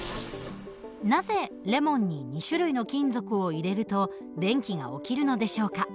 なぜレモンに２種類の金属を入れると電気が起きるのでしょうか？